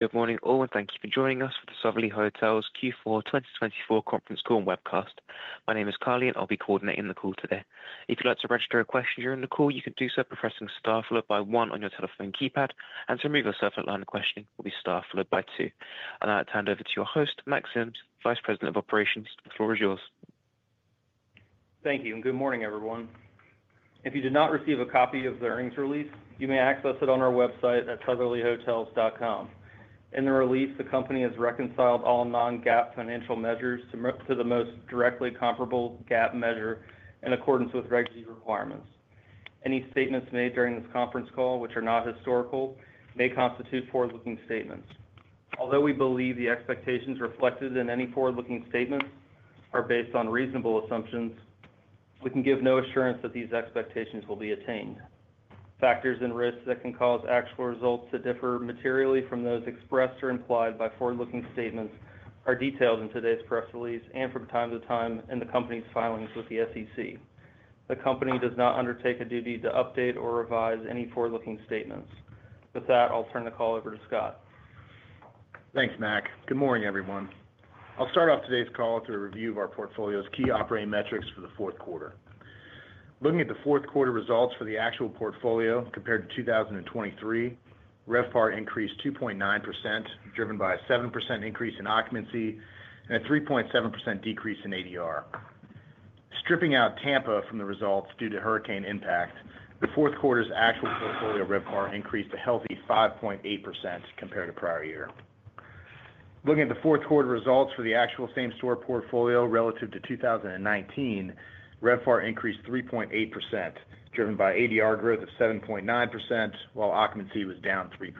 Good morning all, and thank you for joining us for the Sotherly Hotels Q4 2024 Conference Call and Webcast. My name is Carly, and I'll be coordinating the call today. If you'd like to register a question during the call, you can do so by pressing star followed by one on your telephone keypad, and to remove yourself and outline the question, you'll be star followed by two. I'll now turn it over to your host, Mack Sims, Vice President of Operations. The floor is yours. Thank you, and good morning, everyone. If you did not receive a copy of the earnings release, you may access it on our website at sotherlyhotels.com. In the release, the company has reconciled all non-GAAP financial measures to the most directly comparable GAAP measure in accordance with Regulation G requirements. Any statements made during this conference call, which are not historical, may constitute forward-looking statements. Although we believe the expectations reflected in any forward-looking statements are based on reasonable assumptions, we can give no assurance that these expectations will be attained. Factors and risks that can cause actual results to differ materially from those expressed or implied by forward-looking statements are detailed in today's press release and from time to time in the company's filings with the SEC. The company does not undertake a duty to update or revise any forward-looking statements. With that, I'll turn the call over to Scott. Thanks, Mack. Good morning, everyone. I'll start off today's call with a review of our portfolio's key operating metrics for the fourth quarter. Looking at the fourth quarter results for the actual portfolio compared to 2023, RevPAR increased 2.9%, driven by a 7% increase in occupancy and a 3.7% decrease in ADR. Stripping out Tampa from the results due to hurricane impact, the fourth quarter's actual portfolio RevPAR increased a healthy 5.8% compared to prior year. Looking at the fourth quarter results for the actual same-store portfolio relative to 2019, RevPAR increased 3.8%, driven by ADR growth of 7.9%, while occupancy was down 3%.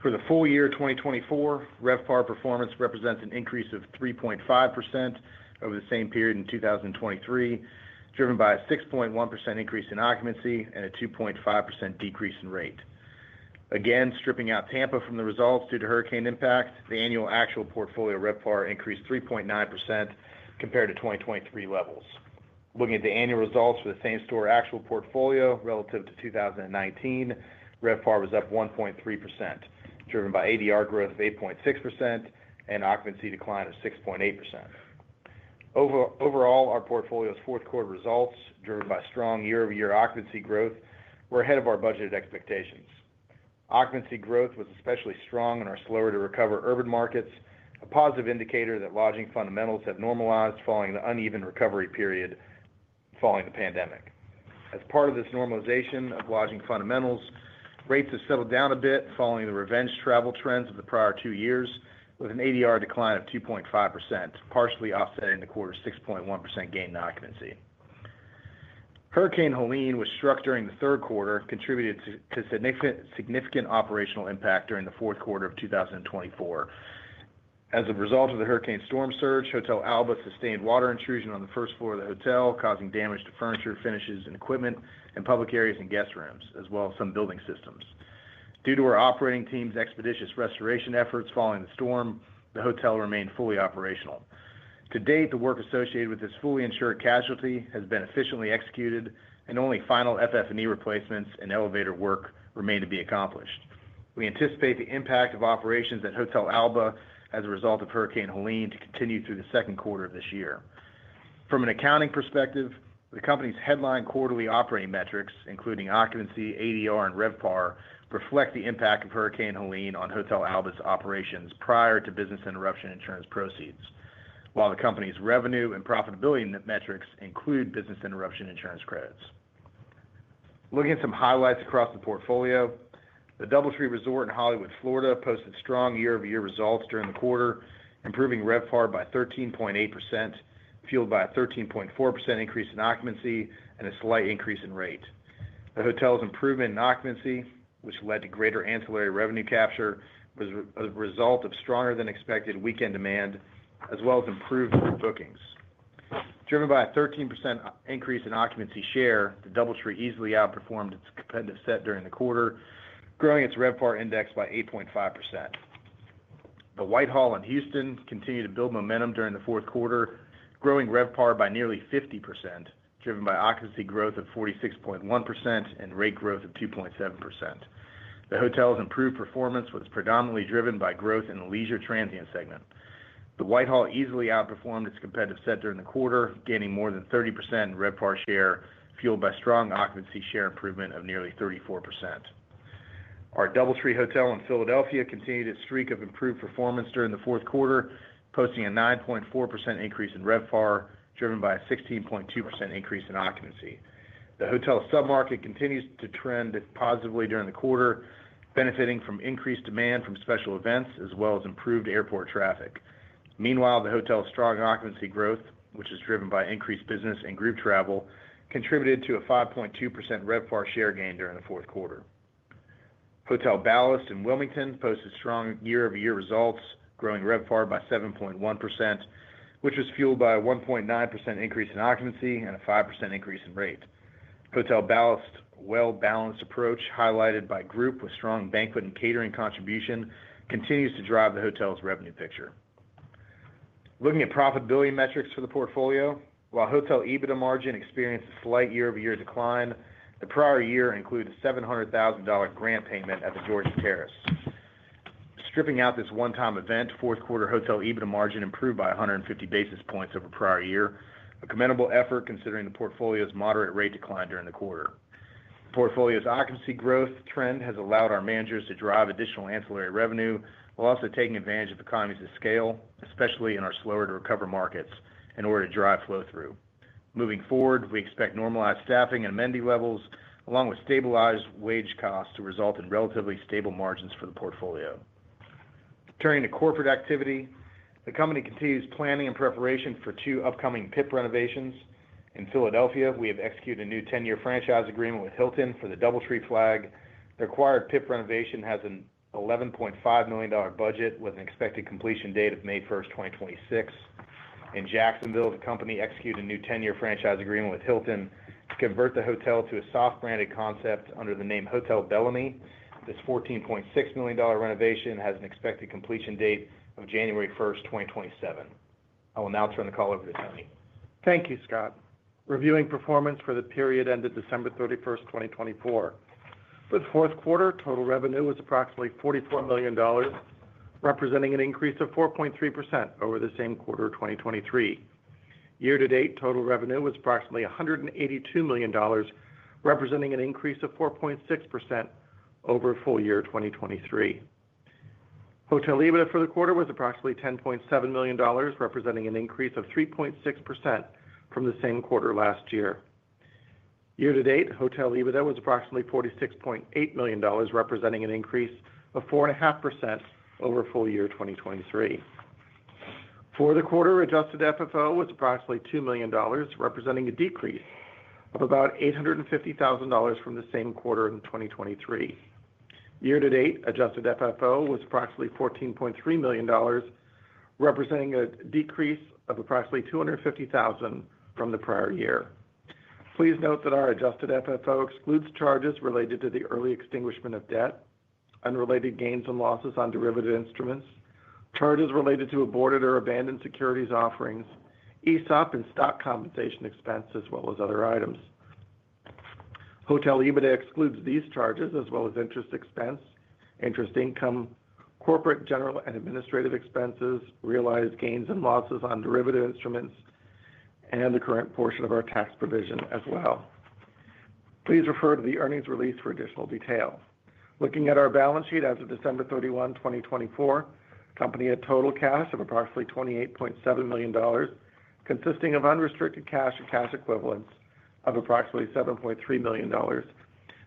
For the full year 2024, RevPAR performance represents an increase of 3.5% over the same period in 2023, driven by a 6.1% increase in occupancy and a 2.5% decrease in rate. Again, stripping out Tampa from the results due to hurricane impact, the annual actual portfolio RevPAR increased 3.9% compared to 2023 levels. Looking at the annual results for the same-store actual portfolio relative to 2019, RevPAR was up 1.3%, driven by ADR growth of 8.6% and occupancy decline of 6.8%. Overall, our portfolio's fourth quarter results, driven by strong year-over-year occupancy growth, were ahead of our budgeted expectations. Occupancy growth was especially strong in our slower-to-recover urban markets, a positive indicator that lodging fundamentals have normalized following the uneven recovery period following the pandemic. As part of this normalization of lodging fundamentals, rates have settled down a bit following the revenge travel trends of the prior two years, with an ADR decline of 2.5%, partially offsetting the quarter's 6.1% gain in occupancy. Hurricane Helene was struck during the third quarter, contributing to significant operational impact during the fourth quarter of 2024. As a result of the hurricane storm surge, Hotel Alba sustained water intrusion on the first floor of the hotel, causing damage to furniture, finishes, and equipment in public areas and guest rooms, as well as some building systems. Due to our operating team's expeditious restoration efforts following the storm, the hotel remained fully operational. To date, the work associated with this fully insured casualty has been efficiently executed, and only final FF&E replacements and elevator work remain to be accomplished. We anticipate the impact of operations at Hotel Alba as a result of Hurricane Helene to continue through the second quarter of this year. From an accounting perspective, the company's headline quarterly operating metrics, including occupancy, ADR, and RevPAR, reflect the impact of Hurricane Helene on Hotel Alba's operations prior to business interruption insurance proceeds, while the company's revenue and profitability metrics include business interruption insurance credits. Looking at some highlights across the portfolio, the DoubleTree Resort in Hollywood, Florida, posted strong year-over-year results during the quarter, improving RevPAR by 13.8%, fueled by a 13.4% increase in occupancy and a slight increase in rate. The hotel's improvement in occupancy, which led to greater ancillary revenue capture, was a result of stronger-than-expected weekend demand, as well as improved bookings. Driven by a 13% increase in occupancy share, the DoubleTree easily outperformed its competitive set during the quarter, growing its RevPAR index by 8.5%. The Whitehall in Houston continued to build momentum during the fourth quarter, growing RevPAR by nearly 50%, driven by occupancy growth of 46.1% and rate growth of 2.7%. The hotel's improved performance was predominantly driven by growth in the leisure transient segment. The Whitehall easily outperformed its competitive set during the quarter, gaining more than 30% in RevPAR share, fueled by strong occupancy share improvement of nearly 34%. Our DoubleTree by Hilton Philadelphia Airport continued its streak of improved performance during the fourth quarter, posting a 9.4% increase in RevPAR, driven by a 16.2% increase in occupancy. The hotel's sub-market continues to trend positively during the quarter, benefiting from increased demand from special events, as well as improved airport traffic. Meanwhile, the hotel's strong occupancy growth, which is driven by increased business and group travel, contributed to a 5.2% RevPAR share gain during the fourth quarter. Hotel Ballast in Wilmington posted strong year-over-year results, growing RevPAR by 7.1%, which was fueled by a 1.9% increase in occupancy and a 5% increase in rate. Hotel Ballast's well-balanced approach, highlighted by group with strong banquet and catering contribution, continues to drive the hotel's revenue picture. Looking at profitability metrics for the portfolio, while Hotel EBITDA margin experienced a slight year-over-year decline, the prior year included a $700,000 grant payment at The Georgian Terrace. Stripping out this one-time event, fourth quarter Hotel EBITDA margin improved by 150 basis points over prior year, a commendable effort considering the portfolio's moderate rate decline during the quarter. The portfolio's occupancy growth trend has allowed our managers to drive additional ancillary revenue while also taking advantage of economies of scale, especially in our slower-to-recover markets, in order to drive flow-through. Moving forward, we expect normalized staffing and amenity levels, along with stabilized wage costs, to result in relatively stable margins for the portfolio. Turning to corporate activity, the company continues planning and preparation for two upcoming PIP renovations. In Philadelphia, we have executed a new 10-year franchise agreement with Hilton for the DoubleTree flag. The required PIP renovation has an $11.5 million budget with an expected completion date of May 1, 2026. In Jacksonville, the company executed a new 10-year franchise agreement with Hilton to convert the hotel to a soft-branded concept under the name Hotel Bellamy. This $14.6 million renovation has an expected completion date of January 1, 2027. I will now turn the call over to Tony. Thank you, Scott. Reviewing performance for the period ended December 31, 2024. For the fourth quarter, total revenue was approximately $44 million, representing an increase of 4.3% over the same quarter of 2023. Year-to-date total revenue was approximately $182 million, representing an increase of 4.6% over full year 2023. Hotel EBITDA for the quarter was approximately $10.7 million, representing an increase of 3.6% from the same quarter last year. Year-to-date, Hotel EBITDA was approximately $46.8 million, representing an increase of 4.5% over full year 2023. For the quarter, Adjusted FFO was approximately $2 million, representing a decrease of about $850,000 from the same quarter in 2023. Year-to-date, Adjusted FFO was approximately $14.3 million, representing a decrease of approximately $250,000 from the prior year. Please note that our Adjusted FFO excludes charges related to the early extinguishment of debt, unrelated gains and losses on derivative instruments, charges related to aborted or abandoned securities offerings, ESOP, and stock compensation expense, as well as other items. Hotel EBITDA excludes these charges, as well as interest expense, interest income, corporate general and administrative expenses, realized gains and losses on derivative instruments, and the current portion of our tax provision as well. Please refer to the earnings release for additional detail. Looking at our balance sheet as of December 31, 2024, the company had total cash of approximately $28.7 million, consisting of unrestricted cash and cash equivalents of approximately $7.3 million,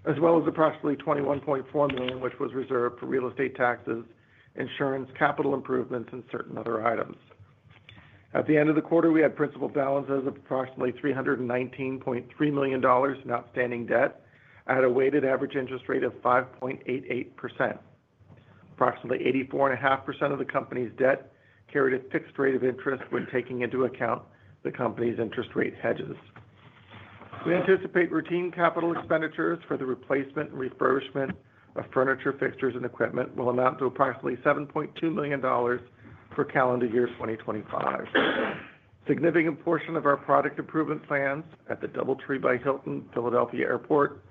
as well as approximately $21.4 million, which was reserved for real estate taxes, insurance, capital improvements, and certain other items. At the end of the quarter, we had principal balances of approximately $319.3 million in outstanding debt at a weighted average interest rate of 5.88%. Approximately 84.5% of the company's debt carried a fixed rate of interest when taking into account the company's interest rate hedges. We anticipate routine capital expenditures for the replacement and refurbishment of furniture, fixtures, and equipment will amount to approximately $7.2 million for calendar year 2025. A significant portion of our product improvement plans at the DoubleTree by Hilton Philadelphia Airport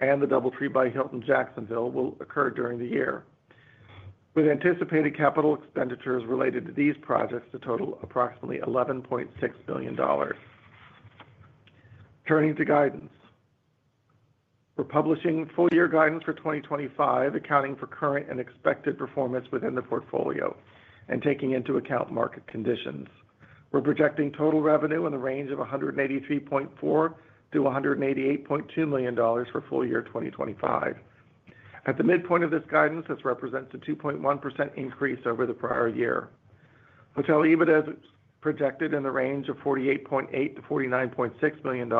and the DoubleTree by Hilton Jacksonville will occur during the year, with anticipated capital expenditures related to these projects to total approximately $11.6 million. Turning to guidance, we're publishing full-year guidance for 2025, accounting for current and expected performance within the portfolio and taking into account market conditions. We're projecting total revenue in the range of $183.4 million-$188.2 million for full year 2025. At the midpoint of this guidance, this represents a 2.1% increase over the prior year. Hotel EBITDA is projected in the range of $48.8-$49.6 million,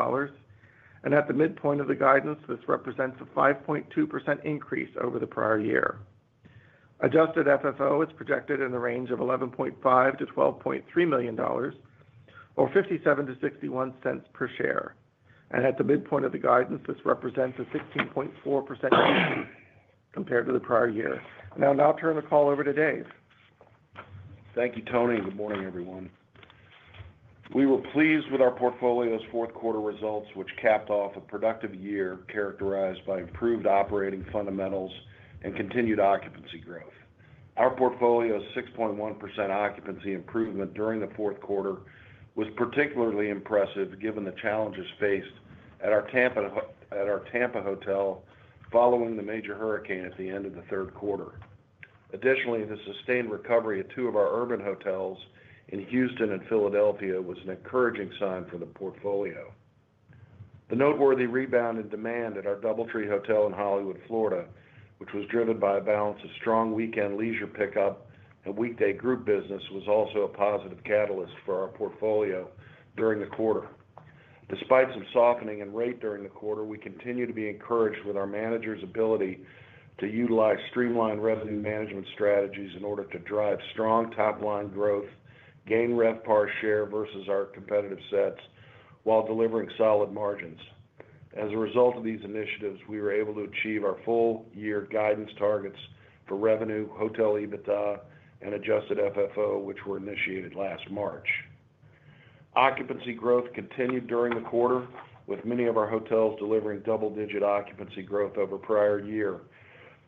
and at the midpoint of the guidance, this represents a 5.2% increase over the prior year. Adjusted FFO is projected in the range of $11.5-$12.3 million, or $0.57-$0.61 per share. At the midpoint of the guidance, this represents a 16.4% increase compared to the prior year. I will now turn the call over to Dave. Thank you, Tony. Good morning, everyone. We were pleased with our portfolio's fourth quarter results, which capped off a productive year characterized by improved operating fundamentals and continued occupancy growth. Our portfolio's 6.1% occupancy improvement during the fourth quarter was particularly impressive given the challenges faced at our Tampa hotel following the major hurricane at the end of the third quarter. Additionally, the sustained recovery at two of our urban hotels in Houston and Philadelphia was an encouraging sign for the portfolio. The noteworthy rebound in demand at our DoubleTree Hotel in Hollywood, Florida, which was driven by a balance of strong weekend leisure pickup and weekday group business, was also a positive catalyst for our portfolio during the quarter. Despite some softening in rate during the quarter, we continue to be encouraged with our managers' ability to utilize streamlined revenue management strategies in order to drive strong top-line growth, gain RevPAR share versus our competitive sets, while delivering solid margins. As a result of these initiatives, we were able to achieve our full-year guidance targets for revenue, hotel EBITDA, and Adjusted FFO, which were initiated last March. Occupancy growth continued during the quarter, with many of our hotels delivering double-digit occupancy growth over prior year.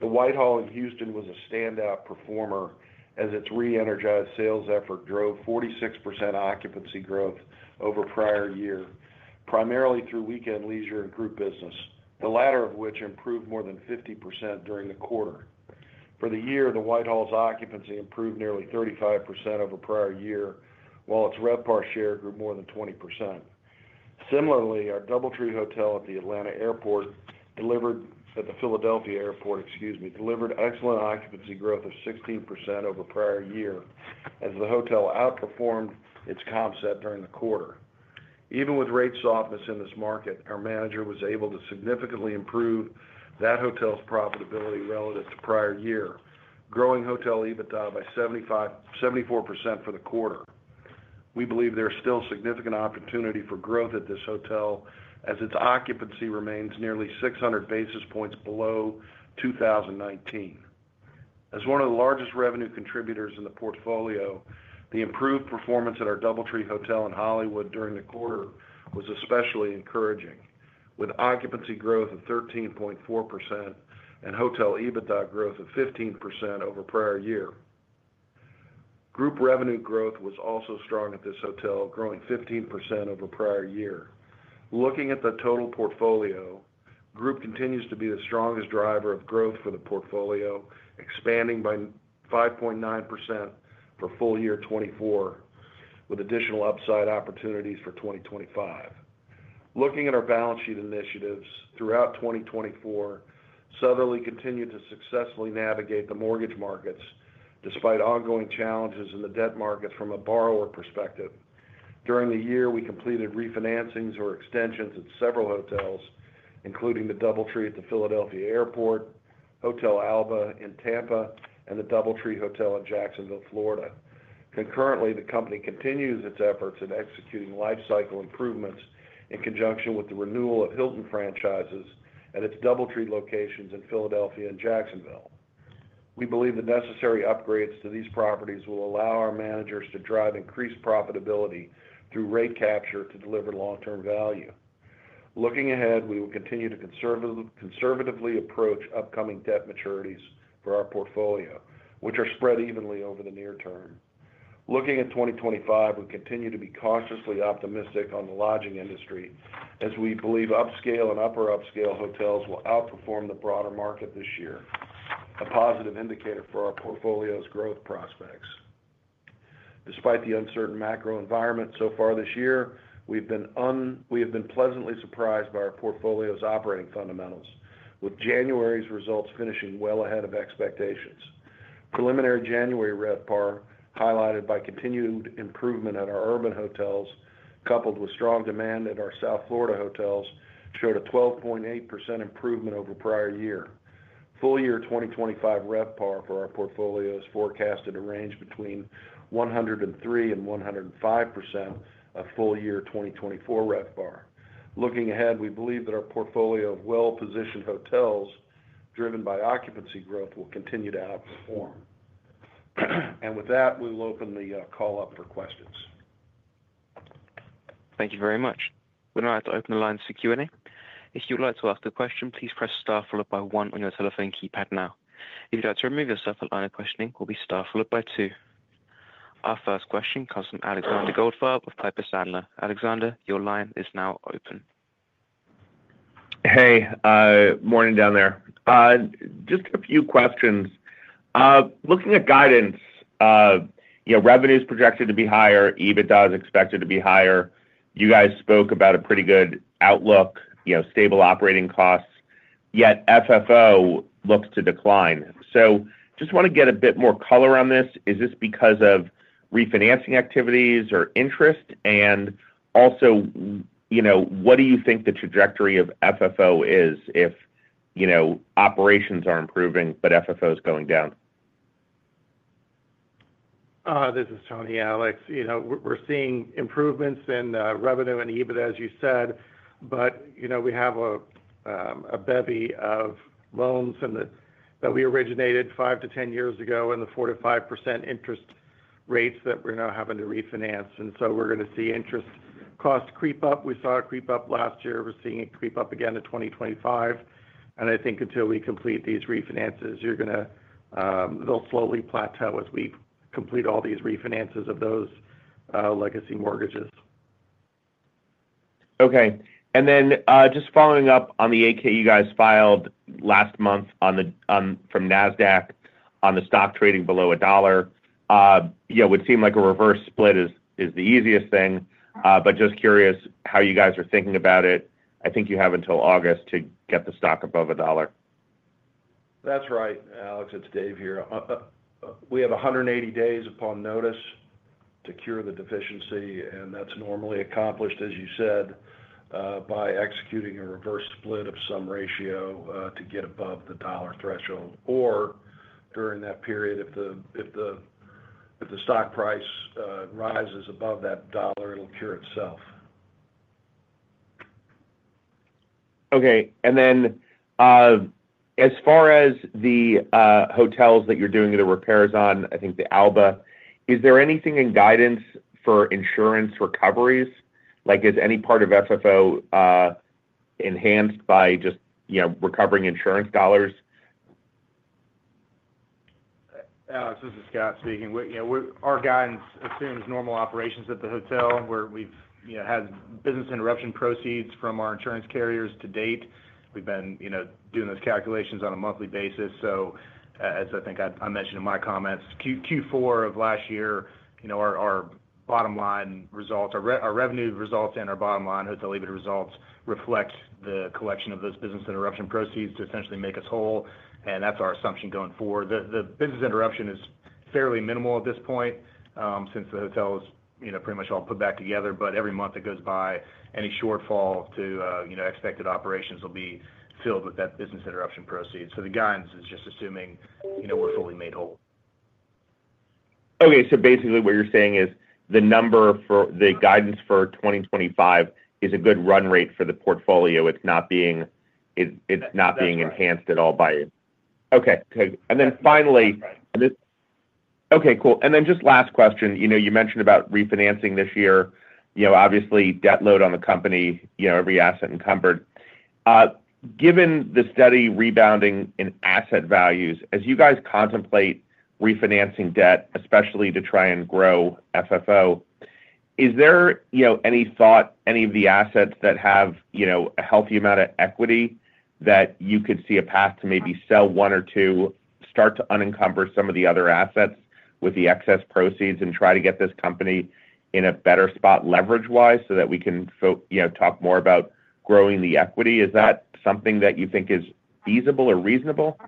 The Whitehall in Houston was a standout performer as its re-energized sales effort drove 46% occupancy growth over prior year, primarily through weekend leisure and group business, the latter of which improved more than 50% during the quarter. For the year, the Whitehall's occupancy improved nearly 35% over prior year, while its RevPAR share grew more than 20%. Similarly, our DoubleTree Hotel at the Philadelphia Airport, excuse me, delivered excellent occupancy growth of 16% over prior year as the hotel outperformed its comp set during the quarter. Even with rate softness in this market, our manager was able to significantly improve that hotel's profitability relative to prior year, growing hotel EBITDA by 74% for the quarter. We believe there is still significant opportunity for growth at this hotel as its occupancy remains nearly 600 basis points below 2019. As one of the largest revenue contributors in the portfolio, the improved performance at our DoubleTree Hotel in Hollywood during the quarter was especially encouraging, with occupancy growth of 13.4% and hotel EBITDA growth of 15% over prior year. Group revenue growth was also strong at this hotel, growing 15% over prior year. Looking at the total portfolio, group continues to be the strongest driver of growth for the portfolio, expanding by 5.9% for full year 2024, with additional upside opportunities for 2025. Looking at our balance sheet initiatives throughout 2024, Sotherly continued to successfully navigate the mortgage markets despite ongoing challenges in the debt markets from a borrower perspective. During the year, we completed refinancings or extensions at several hotels, including the DoubleTree by Hilton Philadelphia Airport, Hotel Alba in Tampa, and the DoubleTree by Hilton Jacksonville Riverfront in Florida. Concurrently, the company continues its efforts in executing lifecycle improvements in conjunction with the renewal of Hilton franchises at its DoubleTree locations in Philadelphia and Jacksonville. We believe the necessary upgrades to these properties will allow our managers to drive increased profitability through rate capture to deliver long-term value. Looking ahead, we will continue to conservatively approach upcoming debt maturities for our portfolio, which are spread evenly over the near term. Looking at 2025, we continue to be cautiously optimistic on the lodging industry as we believe upscale and upper-upscale hotels will outperform the broader market this year, a positive indicator for our portfolio's growth prospects. Despite the uncertain macro environment so far this year, we have been pleasantly surprised by our portfolio's operating fundamentals, with January's results finishing well ahead of expectations. Preliminary January RevPAR, highlighted by continued improvement at our urban hotels, coupled with strong demand at our South Florida hotels, showed a 12.8% improvement over prior year. Full year 2025 RevPAR for our portfolio is forecast to range between 103-105% of full year 2024 RevPAR. Looking ahead, we believe that our portfolio of well-positioned hotels, driven by occupancy growth, will continue to outperform. With that, we will open the call up for questions. Thank you very much. We're now at the open line for Q&A. If you'd like to ask a question, please press star followed by one on your telephone keypad now. If you'd like to remove yourself from the line of questioning, please press star followed by two. Our first question comes from Alexander Goldfarb of Piper Sandler. Alexander, your line is now open. Hey, morning down there. Just a few questions. Looking at guidance, revenue is projected to be higher, EBITDA is expected to be higher. You guys spoke about a pretty good outlook, stable operating costs, yet FFO looks to decline. Just want to get a bit more color on this. Is this because of refinancing activities or interest? Also, what do you think the trajectory of FFO is if operations are improving but FFO is going down? This is Tony, Alex. We're seeing improvements in revenue and EBITDA, as you said, but we have a bevy of loans that we originated five to 10 years ago and the 4%-5% interest rates that we're now having to refinance. We're going to see interest costs creep up. We saw it creep up last year. We're seeing it creep up again in 2025. I think until we complete these refinances, they'll slowly plateau as we complete all these refinances of those legacy mortgages. Okay. Just following up on the 8-K you guys filed last month from NASDAQ on the stock trading below a dollar, it would seem like a reverse split is the easiest thing, but just curious how you guys are thinking about it. I think you have until August to get the stock above a dollar. That's right. Alex, it's Dave here. We have 180 days upon notice to cure the deficiency, and that's normally accomplished, as you said, by executing a reverse split of some ratio to get above the dollar threshold. Or during that period, if the stock price rises above that dollar, it'll cure itself. Okay. As far as the hotels that you're doing the repairs on, I think the Alba, is there anything in guidance for insurance recoveries? Is any part of FFO enhanced by just recovering insurance dollars? Alex, this is Scott speaking. Our guidance assumes normal operations at the hotel. We've had business interruption proceeds from our insurance carriers to date. We've been doing those calculations on a monthly basis. As I think I mentioned in my comments, Q4 of last year, our bottom line results, our revenue results and our bottom line hotel EBITDA results reflect the collection of those business interruption proceeds to essentially make us whole. That's our assumption going forward. The business interruption is fairly minimal at this point since the hotel is pretty much all put back together, but every month that goes by, any shortfall to expected operations will be filled with that business interruption proceeds. The guidance is just assuming we're fully made whole. Okay. So basically what you're saying is the guidance for 2025 is a good run rate for the portfolio. It's not being enhanced at all by. Correct. Okay. Finally. That's right. Okay. Cool. And then just last question. You mentioned about refinancing this year. Obviously, debt load on the company, every asset encumbered. Given the steady rebounding in asset values, as you guys contemplate refinancing debt, especially to try and grow FFO, is there any thought, any of the assets that have a healthy amount of equity that you could see a path to maybe sell one or two, start to unencumber some of the other assets with the excess proceeds and try to get this company in a better spot leverage-wise so that we can talk more about growing the equity? Is that something that you think is feasible or reasonable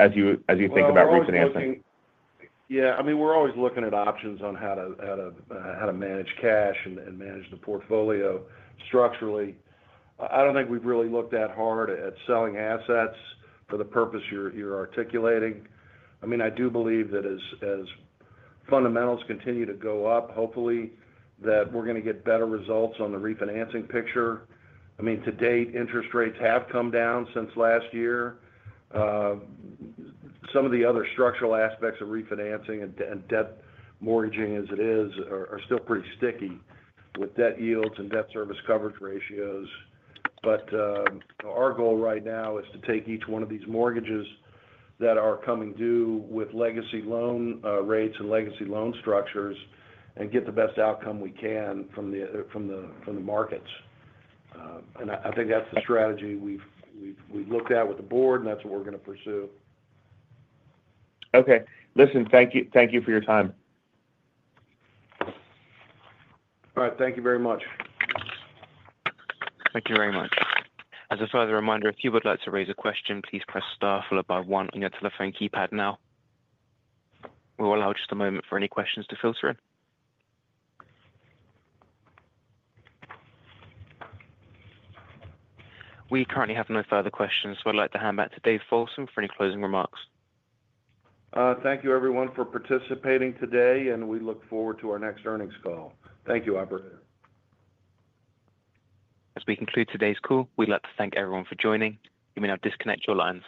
as you think about refinancing? Absolutely. Yeah. I mean, we're always looking at options on how to manage cash and manage the portfolio structurally. I don't think we've really looked that hard at selling assets for the purpose you're articulating. I mean, I do believe that as fundamentals continue to go up, hopefully that we're going to get better results on the refinancing picture. I mean, to date, interest rates have come down since last year. Some of the other structural aspects of refinancing and debt mortgaging as it is are still pretty sticky with debt yields and debt service coverage ratios. Our goal right now is to take each one of these mortgages that are coming due with legacy loan rates and legacy loan structures and get the best outcome we can from the markets. I think that's the strategy we've looked at with the board, and that's what we're going to pursue. Okay. Listen, thank you for your time. All right. Thank you very much. Thank you very much. As a further reminder, if you would like to raise a question, please press star followed by one on your telephone keypad now. We'll allow just a moment for any questions to filter in. We currently have no further questions, so I'd like to hand back to Dave Folsom for any closing remarks. Thank you, everyone, for participating today, and we look forward to our next earnings call. Thank you, Carly. As we conclude today's call, we'd like to thank everyone for joining. You may now disconnect your lines.